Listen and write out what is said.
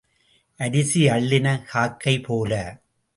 அரிசி அள்ளின காக்கைபோல.